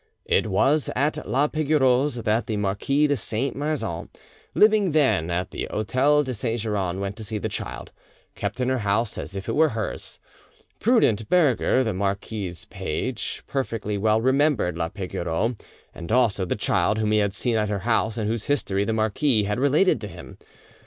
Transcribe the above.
It was at la Pigoreau's that the Marquis de Saint Maixent, living then at the hotel de Saint Geran, went to see the child, kept in her house as if it were hers; Prudent Berger, the marquis's page, perfectly well remembered la Pigoreau, and also the child, whom he had seen at her house and whose history the marquis had related to him.